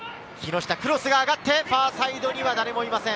クロスが上がって、ファーサイドには誰もいません。